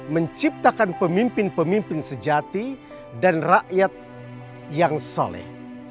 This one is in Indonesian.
menciptakan pemimpin pemimpin sejati dan rakyat yang soleh